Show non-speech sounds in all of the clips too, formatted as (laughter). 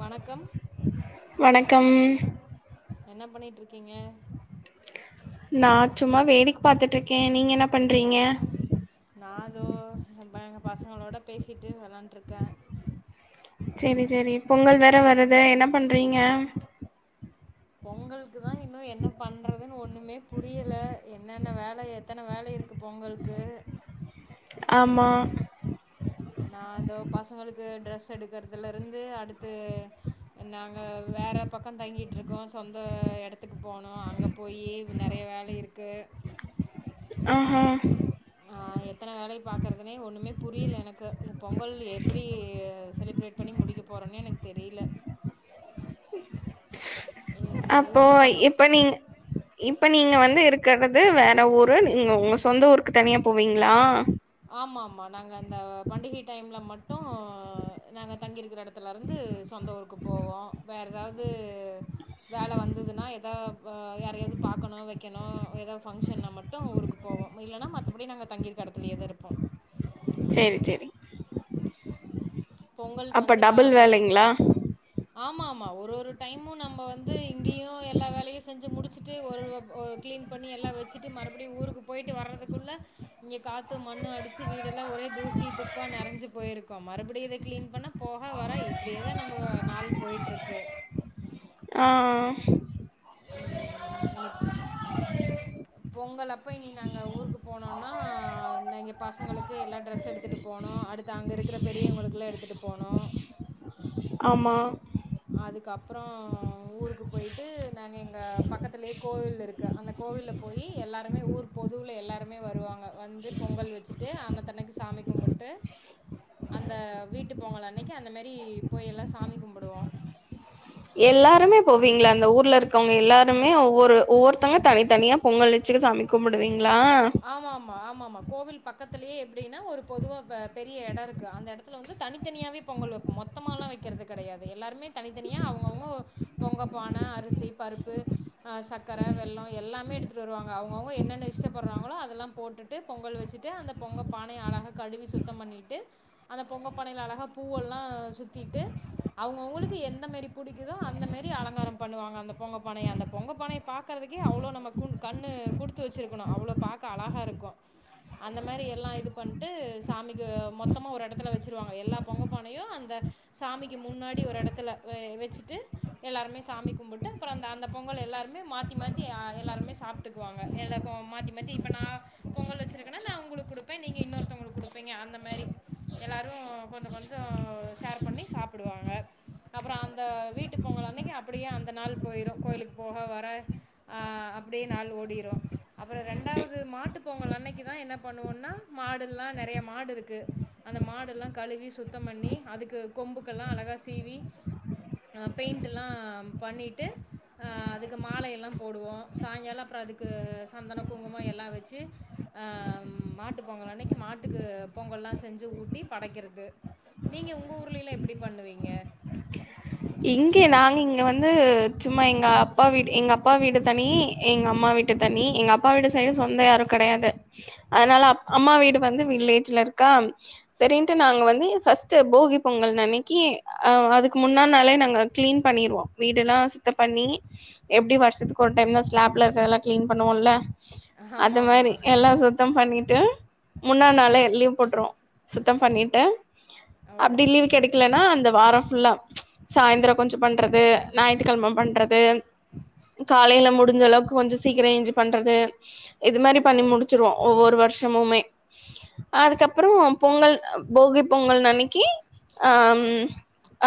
வணக்கம் கம் என்ன பண்ணிட்டு இருக்கீங்க நான் சும்மா வேடிக்க பாத்துட்டு இருக்கேன் நீங்க என்ன பண்றீங்க நான் இதோ இப்ப எங்க பசங்களோட பேசிட்டு விளையாண்டுருக்கேன் சேரி சேரி பொங்கல் வேற வருது என்ன பண்றீங்க பொங்கலுக்குதான் இன்னும் என்ன பண்றதுன்னு ஒண்ணுமே புரியல என்னென்ன வேல எத்தன வேல இருக்கு பொங்கலுக்கு ஆமா நான் இதோ பசங்களுக்கு ட்ரெஸ் எடுக்கறதுல இருந்து அடுத்து நாங்க வேற பக்கம் தங்கிட்டு இருக்கோம் சொந்த இடத்துக்கு போனும் அங்க போயி நெறய வேல இருக்கு ஆஹா எத்தன வேலய பாக்கறதுனே ஒன்னுமே புரியல எனக்கு பொங்கல் எப்டி செலிப்ரேட் பண்ணி முடிக்க போறன்னே எனக்கு தெரில அப்போ இப்ப நீங்க இப் இப்ப நீங்க வந்து இருக்குறது வேற ஊரு நீங்க உங்க சொந்த ஊருக்கு தனியா போவீங்களா ஆமா ஆமா நாங்க அந்த பண்டிகை டைம்ல மட்டும் நாங்க தங்கியிருக்கிற எடத்துலருந்து சொந்த ஊருக்கு போவோம் வேற எதாவது வேல வந்ததுன்னா எதாவ யாரையாது பாக்கணும் வக்கணும் எதாவது ஃபங்க்ஷன்னா மட்டும் ஊருக்கு போவோம் இல்லன்னா மத்தபடி நாங்க தங்கியிருக்கிற எடத்துலயே தா இருப்போம் போம் சேரி சேரி பொங்கலுக்கு வந்து பா வேலைங்களா ஃபஸ்ட் ஆம ஆமாம் ஒரு ஒரு டைமும் நம்ம வந்து இங்கேயும் எல்லா வேலயும் செஞ்சு முடிச்சுட்டு ஒரு கிளீன் பண்ணி எல்லாம் வச்சுட்டு மறுபடியும் ஊருக்கு போயிட்டு வர்றதுக்குள்ளே இங்கே காற்று மண்ணும் அடிச்சி வீடெலாம் ஒரே தூசி குப்பா நிறஞ்சு போயிருக்கோம் மறுபடியும் இதுக்கு கிளீன் பண்ணா போக வர இப்டியேதான் நம்ம நாள் போயிட்டுருக்கு ஆஹ் ம். இனி பொங்கல் அப்போ இனி நாங்கள் ஊருக்கு போனோன்னா எங்கள் பசங்களுக்கு எல்லா ட்ரெஸ் எடுத்துட்டு போனோம் அடுத்து அங்கே இருக்கிற பெரியவங்களுக்குலாம் எடுத்துட்டு போனோம் ஆமா அதுக்கப்பறம் ஊருக்கு போயி்ட்டு நானு எங்கள் பக்கத்துலயே கோவில் இருக்கு அந்த கோவில போய் எல்லோருமே ஊர் பொதுவில் எல்லோருமே வருவாங்க வந்து பொங்கல் வச்சுட்டு அன்னத்தன்னக்கு சாமி கும்பிட்டு அந்த வீட்டு பொங்கல் அன்னைக்கு அந்தமாரி போய் எல்லாம் சாமி கும்பிடுவோம் எல்லாருமே போவீங்களா அந்த ஊர்ல இருக்கவங்க எல்லாருமே ஒவ்வொரு ஒவ்வொருத்தங்க தனித்தனியா பொங்கல் வச்சுக்க சாமி கும்பிடுவேன் ஆமாம்மா ஆமாம்மா கோவில் பக்கத்துலேயே எப்டின்னா ஒரு பொதுவாக பெரிய இடம் இருக்குது அந்த இடத்துல வந்து தனித்தனியாகவே பொங்கல் வப்போம் மொத்தமலாம் வக்கிறது கெடயாது எல்லாருமே தனித்தனியாக அவங்கவுங்க பொங்கல் பான அரிசி பருப்பு சர்க்கரை வெல்லம் எல்லாமே எடுத்துட்டு வருவாங்க அவங்கவுங்க என்னென்ன இஷ்ட வராங்களோ அதெல்லாம் போட்டுட்டு பொங்கல் வச்சிட்டு அந்தப் பொங்க பானய அழகா கழுவி சுத்தம் பண்ணிட்டு அந்தப் பொங்க பானையில அழகா பூவெல்லாம் சுத்திட்டு அவங்க அவங்களுக்கு என்ன மாரி பிடிக்குதோ அந்த மாரி அலங்காரம் பண்ணுவாங்க அந்த பொங்க பானம் அந்த பொங்க பானய பாக்கறதுக்கேஅவ்ளோ நம்ம கண்ணு குடுத்துவச்சுரு க்கணும் அவ்வளோ பாக்க அழகாக இருக்கும் அந்த மாரி எல்லாம் இது பண்ணிட்டு சாமிக்கு மொத்தமாக ஒரு எடத்துல வச்சுருவாங்க எல்லா பொங்க பானையும் அந்த சாமிக்கு முன்னாடி ஒரு எடத்துல வச்சுட்டு எல்லாருமே சாமி கும்பிட்டு அப்பறம் அந்த அந்த பொங்கல் எல்லாருமே மாத்தி மாத்திஎல்லாருமே சாப்பிட்டுக்குவாங்க எல் ப்பமாத்தி மாத்தி இப்ப நான் பொங்கல் வச்சிருக்கேன்னா நான் உங்களுக்கு குடுப்பேன் நீங்க இன்னொருத்தவங்களுக்கு குடுப்பீங்க அந்த மாரி எல்லாரும் கொஞ்ச கொஞ்ச ஷேர் பண்ணி சாப்பிடுவாங்க அப்பறம் அந்த வீட்டு பொங்கல் அன்னைக்கு அப்டியே அந்த நாள் போயிரும் கோயிலுக்கு போக வர ஆஹ் அப்டியே நாள் ஓடிரும் அப்பறம் ரெண்டாவது மாட்டு பொங்கல் அன்னைக்கு தான் என்ன பண்ணுவோனா மாடுலாம் நெறையா மாடு இருக்குது அந்த மாடுெல்லாம் கழுவி சுத்தம் பண்ணி அதுக்கு கொம்புக்கெல்லாம் அழகாக சீவி பெயிண்ட்டலாம் பண்ணிட்டு அதுக்கு மாலயெல்லாம் போடுவோம் சாயங்காலம் அப்பறம் அதுக்கு சந்தன குங்குமம் எல்லாம் வச்சுஹ மாட்டு பொங்கல் அன்னைக்கு மாட்டுக்கு பொங்கல்லாம் செஞ்சு ஊட்டி படைக்கிறது நீங்க உங்க ஊர்லல்லாம் எப்டி பண்ணுவீங்க இங்கே நாங்க இங்க வந்து சும்மா எங்க அப்பா வீடு எங்க அப்பா வீடு தனி எங்க அம்மா வீட்டு தனி எங்க அப்பா வீடு சைடு சொந்த யாரும் கிடையாது அதனால அம்மா வீடு வந்து வில்லேஜ்ல இருக்கா சரின்னுட்டு நாங்க வந்து ஃபர்ஸ்ட் போகி பொங்கல் அன்னைக்கி அஹ் அதுக்கு முன்ன முதல் நாளே நாங்கள் கிளீன் பண்ணிடுவோம் வீடு எல்லாம் சுத்தம் பண்ணி எப்படி வருஷத்துக்கு ஒரு டைம் தான் ஸ்லாப்ல இருக்கறதெல்லாம் கிளீன் பண்ணுவோம்ல ஆமாம் அது மாரி ஆமாம் எல்லாம் சுத்தம் பண்ணி டு முன்னா நாளே லீவ் போட்டுறுவோம் சுத்தம் பண்ணிட்டு ஓ அப்பிடி லீவு கிடைக்கல அந்த வாரம் ஃபுல்லா சாய்ந்தரம் கொஞ்சம் பண்றது ஞாயித்துக்கிழம பண்றது காலையில முடிஞ்ச அளவுக்கு கொஞ்சம் சீக்கிரம் ஏஞ்சு பண்றது இது மாரி சரி பண்ணி சரி முடிச்சுருவோம்ஒவ்வொரு வருஷமுமே அதுக்கப்புறம் பொங்கல் போகி பொங்கல் அன்னைக்கு அஹ்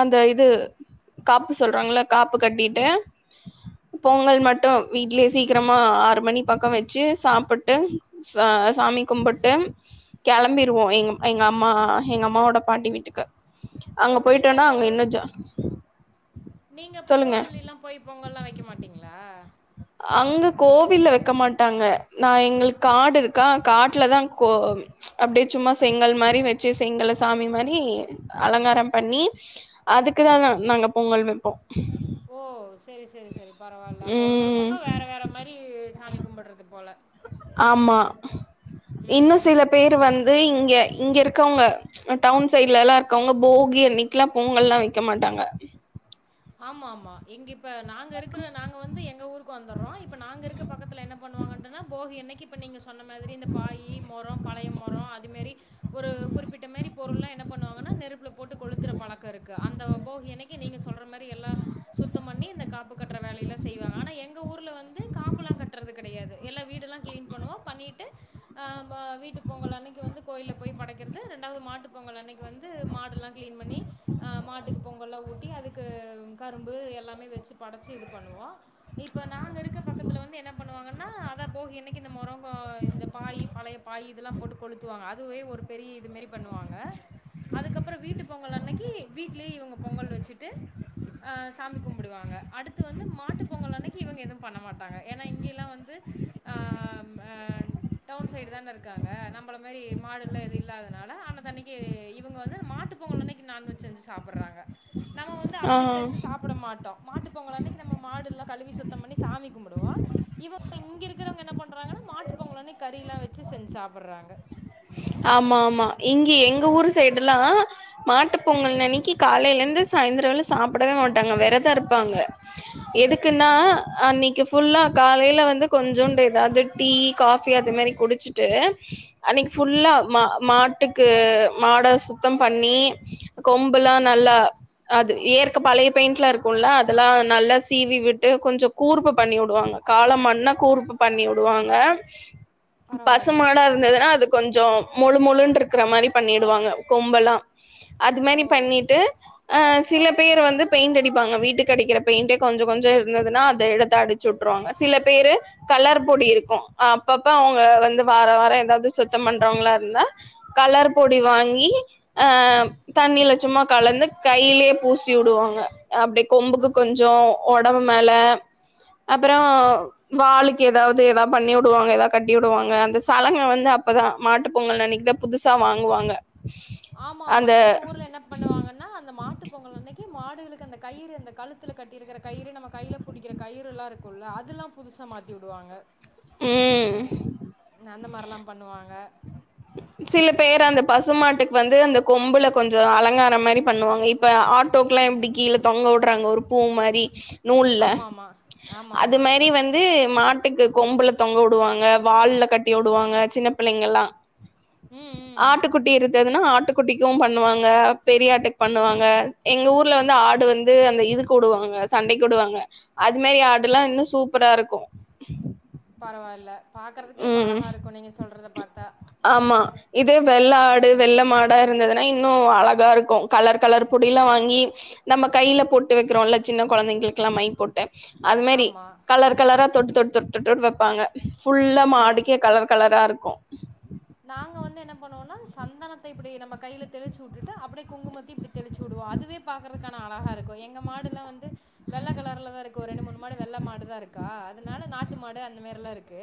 அந்த இது இது காப்பு சொல்றாங்கள காப்பு கட்டிட்டு பொங்கல் மட்டும் வீட்லயே சீக்கிரமா ஆறு மணி பக்கம் வச்சு சாப்பிட்டு ச சாமி கும்பிட்டு கிளம்பிருவோம் எ எங்க அம்மா எங்க அம்மாவோட பாட்டி வீட்டுக்கு அங்க போயிட்டோன்னா அங்க இன்னும் ஜா நீங்க இப்ப சொல்லுங்க கோவிலில்லாம் போய் பொங்கல்லாம் வைக்க மாட்டீங்களா அங்க கோவில்ல வைக்க மாட்டாங்க நான் எங்களுக்கு காடு இருக்கா காட்டுலதான் கோ அப்படியே சும்மா செங்கல் மாரி வச்சு செங்கல் சாமி மாரி அலங்காரம் பண்ணி அதுக்குதான் நாங்க பொங்கல் வைப்போம் ஓ சரி சரி சரி பரவாயில்ல அப்ப ஒரு ஒரு ம் பக்கம் வேற வேற மாரி சாமி கும்பிடுறது போல இன்னும் சில பேர் வந்து இங்க இங்க இருக்கவங்க டவுன் சைட்ல எல்லாம்ருக்கவங்க போகி அன்னைக்குல்லாம் பொங்கல்லாம் வைக்க மாட்டாங்க ஆமா ஆமா எங்க இப்போ நாங்க இருக்கிற நாங்கள் வந்து எங்க ஊருக்கு வந்துடுறோம் இப்போ நாங்க இருக்கிற பக்கத்துல என்ன பண்ணுவாங்கன்னா போக அன்னைக்கு நீங்க சொன்ன மாதிரி இந்த பாயி மொரம் பழைய மொரம் அது மேரி ஒரு குறிப்பிட்ட மேரி பொருள் என்ன பண்ணுவாங்கன்னா நெருப்புல போட்டு கொளுத்துற பழக்கம் இருக்கு அந் நம்ம போகி அன்னைக்கு நீங்க சொல்ற மாரி எல்ல சுத்தம் பண்ணி இந்த காப்பு கட்ற வேலையல்லாம் செய்வாங்க அனா எங்க ஊர்ல வந்து காப்பெல்லம் கட்டுறது கிடையாது எல்லாம் வீடலாம் கிளீன் பண்ணுவோம் பண்ணிட்டு அ வ வீட்டு பொங்கல் அன்னக்கி வந்து கோயில போய் படைக்கிறது ரெண்டாவது மாட்டுபொங்கல் அன்னக்கி வந்து மாடெல்லாம் கிளீன் பண்ணி மாட்டுக்கு பொங்கலாம் ஊட்டி அது கரும்பு எல்லாமே வச்சு படைச்சி இது பண்ணுவோம் இப்போ நாங்கள் இருக்க பக்கத்துல வந்து என்ன பண்ணுவாங்கன்னா அதை போகி அன்னைக்கு இந்த முரங்க இந்த பாய் பழைய பாய் இதெல்லாம் போட்டு கொளுத்துவாங்க அதுவே ஒரு பெரிய இதுமாரி பண்ணுவாங்க அதுக்கப்புறம் வீட்டு பொங்கல் அன்னைக்கு வீட்லே இவங்க பொங்கல் வச்சுட்டு சாமி கும்பிடுவாங்க அடுத்து வந்து மாட்டு பொங்கல் அன்னைக்கு இவங்க எதுவும் பண்ண மாட்டாங்க ஏன்னா இங்கல்லாம் வந்து ஆஹ் டவுன் சைடு தானே இருக்காங்க நம்மள மாதிரி மாடுல்ல இது இல்லாதனால ஆன அன்னைக்கு இவங்க வந்து மாட்டுப் பொங்கல் அன்னைக்கு நான்வெஜ் செஞ்சு சாப்பிடுறாங்க நம ஆ அப்படி செஞ்சு சாப்பிட மாட்டோம் மாட்டு பொங்கல் அன்னைக்கு நம்ம மாடு எல்லாம் கழுவி சுத்தம் பண்ணி சாமி கும்படுவோம் இவங்க இங்க இருக்கிறவங்க என்ன பண்றாங்கன்னா மாட்டு பொங்கல் அன்னைக்கி கறி எல்லாம் வச்சு செஞ்சு சாப்பிடுறாங்க ஆமா ஆமா இங்க எங்க ஊர் சைடு எல்லாம் மாட்டு பொங்கல் அன்னைக்கு காலையில இருந்து சாயந்திர வர சாப்பிடவே மாட்டாங்க விரதம் இருப்பாங்க எதுக்குன்னா ஓ அன்னைக்கு ஃபுல்லா காலையில் வந்து கொஞ்சோண்டு எதாவது டீ காஃபி அது மாரி குடிச்சிட்டு அன்னைக்கு ஃபுல்லா மா மாட்டுக்கு மாட சுத்தம் பண்ணி கொம்புல்லாம் நல்லா அது ஏற்கை பழைய பெயிண்ட் எல்லாம் இருக்கும்ல அதெல்லாம் நல்லா சீவி விட்டு கொஞ்சம் கூறுப்பு பண்ணி விடுவாங்க காலமாடுண்ணா கூறுப்பு பண்ணி விடுவாங்க பரவாயில்ல பசுமாடா இருந்ததுன்னா அது கொஞ்சம் மொழு முொழுன்னு இருக்கிற மாரி பண்ணிடுவாங்க கொம்பெல்லாம் அது ஓ மாதிரி பண்ணிட்டு அஹ் சில பேர் வந்து பெயிண்ட் அடிப்பாங்க வீட்டுக்கு அடிக்கிற பெயிண்டே கொஞ்ச கொஞ்ச இருந்ததுன்னா அத எடுத்த அடிச்சு விட்டுருவாங்க சில பேரு கலர் பொடி இருக்கும் அப்பப்ப அவங்க வந்து வார வாரம் ஏதாவது சுத்தம் பண்றவங்களா இருந்தா கலர் பொடி வாங்கி ஆஹ் தண்ணியில சும்மா கலந்து கையிலேயே பூசி விடுவாங்க அப்டி ஆ கொம்புக்கு கொஞ்சம் உடம்பு மேல அப்பறம் வாலுக்கு ஏதாவது ஏதாவது பண்ணி விடுவாங்க ஏதாவது கட்டி விடுவாங்க அந்த சளங்கை வந்து அப்பதான் மாட்டு பொங்கல் அன் னக்குத புதுசா வாங்குவாங்க ஆமா ஆமா அந்த எங்க ஊர்ல என்ன பண்ணுவாங்கன்னா அந்த மாட்டு பொங்கல் அன்னைக்கு மா டுகளுக்கு அந்த கயிறு அந்த கழுத்துல கட்டி இருக்கிற கயிறு நம்ப கையில பிடிக்கிற கயிறுல்லாம் இருக்கும்ல அதெல்லாம் புதுசா மாத்தி விடுவாங்க ம் அந்த மாரில்லாம் பண்ணுவாங்க சில பேர் அந்த பசுமாட்டுக்கு வந்து அந்த கொம்புல கொஞ்ச அலங்காரம் மாரி பண்ணுவாங்க இப்ப ஆட்டோக்கு எல்லாம் இப்படி கீழே தொங்க விடுறாங்க ஒரு பூ மாரி நூல்ல ஆமா ஆமா ஆமா அது ஆமா மாரி வந்து மாட்டு மாட்டுக்கு கொம்புல தொங்க விடுவாங்க வால்ல கட்டி விடுவாங்க சின்ன பிள்ளைங்கல்லா ம் ம் ஆட்டுக்குட்டி இருந்ததுன்னா ஆட்டுக்குட்டிக்கும் பண்ணுவாங்க பெரிய ஆட்டுக்கு பண்ணுவாங்க எங்க ஊர்ல வந்து ஆடு வந்து அந்த இது கூடுவாங்க சண்டை கூடுவாங்க அது மாரி ஆடு எல்லாம் இன்னும் சூப்பரா இருக்கும் பரவாயில்ல பார்க்குறதுக்கே இப்ப ம். அழகாக இருக்கும் நீங்கள் சொல்றத பார்த்தா இது வெள்ள ஆடு வெள்ள மாடாக இருந்ததுன்னா இன்னும் அழகா இருக்கும் கலர் கலர் பொடிலாம் வாங்கி நம்ம கைல போட்டு வைக்கிறோம் இல்லை சின்ன குழந்தைங்களுக்கெல்லாம் மை போட் அது மாரி ஆமா கலர் கலரா தொட்டு தொட் தொட் தொட்டு வைப்பாங்க ஃபுல்லா ஓ மாடுக்கே கலர் கலரா கும் நாங்க வந்து என்ன பண்ணுவோம்னா சந்தனத்த இப்டி நம்ப கையில தெளிச்சு விட்டுட்டு அப்படியே குங்குமத்த இப்படி தெளிச்சு விடுவோம் அதுவே பாக்குறதுக்கான அழகா இருக்கும் எங்க மாடுலாம் வந்து வெள்ள கலர்லதான் இருக்கு ஒரு ரெண்டு மூணு மாடு வெள்ள மாடுதான் இருக்கா அதனால நாட்டு மாடு அந்த மாரில்லாம் இருக்கு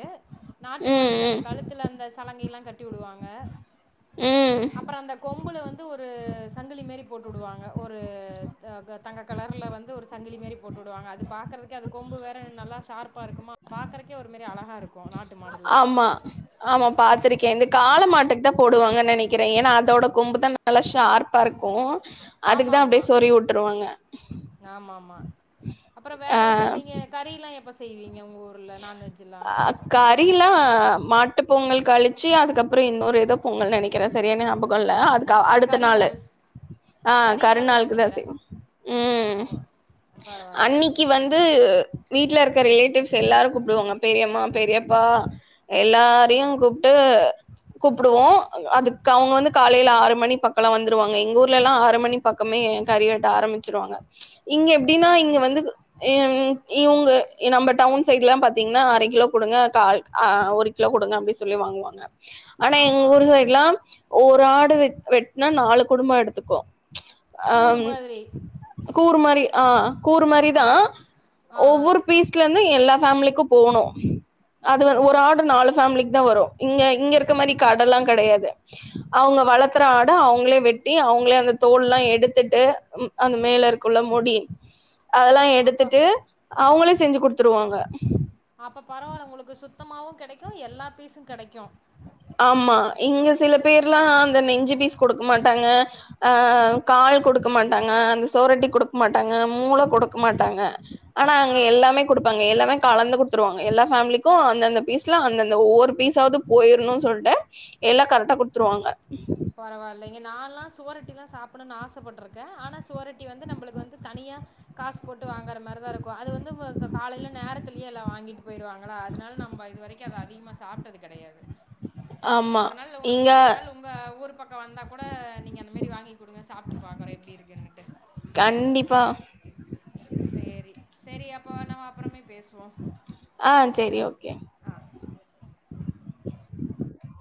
நாட்டு ம், மாட்டுக்கு அந்த ம். கழுத்துல அந்த சலங்கை எல்லாம் கட்டி உடுவாங்க ம். அப்பறம் அந்த கொம்புல வந்து ஒரு சங்கிலி மாரி போட்டுவிடுவாங்க ஒரு தங்க கலர்ல வந்து ஒரு சங்கிலி மாரி போட்டுவிடுவாங்க அது பாக்குறகுக்கு அது கொம்பு வேற நல்லா ஷார்பா இருக்குமா பாக்குறதுக்கே ஒரு மாரி அழகா இருக்கும் ஆமா ஆமா பாத்துருக் ஓகே இந்த கால மாட்டுக்கு தான் போடுவாங்கன்னு நினைக்கிறேன் ஏன்னா அதோட கொம்பு தான் நல்லா ஷார்ப்பா இருக்கும் ஆமா ஆமா ஆமா ஆமா அப்பறம் வேற எது நீங்க கரி எல்லாம் எப் ப்ப செய்வீங்க உங்க ஊர் அஹ் கரிலாம் மாட் பொங்கல் கழிச்சு அதுக்கப்பறம் இன்னொரு ஏதோ பொங்கல் நினைக்கிறேன் சரியான ஞாபகம் இல்லை அது அதுக்கு அடுத்த நாள் ஆஹ் கறி கரி நாள் நாளுக்கு தான் நெனைக்கிறே செய் உம் உம் பரவால்ல அன்னைக்கு வந்து வீட்ல இருக்க ரிலேட்டிவ்ஸ் மிச்ச எல்லாரும் கூப்பிடுவாங்க பெரியம்மா பெரியப்பா ம் எல்லாரையும் கூப்பிட்டு கூப்பிடுவோம் அதுக்கு அவங்க வந்து காலையில ஆறு மணி பக்கம்லாம் வந்துருவாங்க எங்க ஊர்ல எல்லாம் ஆறு மணி பக்கமே கறி வெட்ட ஆரம்பிச்சிருவாங்க இங்க எப்படின்னா இங்க வந்துஹ இவங்க நம்ம டவுன் இந்த சைட் எல்லாம் பாத்தீங்கன்னா அரை கிலோ கொடுங்க கால் கஹ் ஒரு கிலோ கொடுங்க அப்படின் சொல்லி வாங்குவாங்க ஆனா எங்க ஆமா ஊர் சைடுலாம் ஒரு ஆடு வெ வெட்டனா நாலு குடும்பம் எடுத்துக்கும் கூறு ஆஹம் மாதிரி கூறு மாதிரி ஆ கூறு ஆ ஒ மாதிரிதான் ஆ ஆ ஒவ்வொரு பீஸ்ல இருந்துும் எல்லா ஃபேமிலிக்கும் போகணும் அது ஒரு ஆடு நாலு பேஃபேமிலிக்கு தான் வரும் இங்க இங்க இருக்க மாதிரி கட எல்லாம் கிடையாது அவங்க வழக்கற ஆட அவங்களே வெட்டி அவங்களே அந்த தோல் எல்லாம் எடுத்துட்டு அந்த மேல இருக்குள்ள முடி அதெல்லாம் அப்ப எடுத்துட்டு அவங்கள செஞ்சு கொடுத்துருவாங்க உ அப்ப பரவாயில்ல உங்களுக்கு சுத்தமாவும் கிடைக்கும் எல்லா பீஸும் கிடைக்கும் ஆமா இங்க சில பேர்லாம் அந்த நெஞ்சு பீஸ் கொடுக்க மாட்டாங்க அஹ் கால் குடுக்க மாட்டாங்க அந்த சோரட்டி குடுக்க மாட்டாங்க மூளை குடுக்க மாட்டாங்க ஆனா அங்க ஆ எல்லாமே குடுப்பாங்க எல்லாமே கலந்து கொடுத்துருவாங்க எல்லா ஃபேமிலிக்கும் அந்தந்த பீஸ் அந்தந்த ஒவ்வரு பீஸாவது போயிரணும் சொல்லிட்டு எல்லாம் கரெக்டா குத்துருவாங்க பரவால்ல இல்லைங்க நான் எல்லாம் சோரட்டி எிலாம் சாப்பிடணும்ன்னனு ஆசைப்பட்டுிருக்கேன் ஆனா சோரட்டி வந்து நம்மளுக்கு வந்து தனியா காசு போட்டு வாங்குற மாதிரிதான் இருக்கும் அது வந்து காலையில நேரத்துிலயே எல்லாம் வாங்கிட்டு போயிருவாங்களா அதனால நம்ம இது வரைக்கும் அதது அதிகமா சாப்பிட்டது கிடையாது ஆமா இங்க உரு பக்கம் வந்தா கூட நீங்க அந்த மாரி வாங்கி கொடுங்க சாப்பிட்டு பாக்குறோம் எப்படி இருக்குன்னனுட்டு கண்டிப்பா சரி சரி அ போனம அப்புறம் ஆஹ் சரி ஓகே ஆ (inaudible)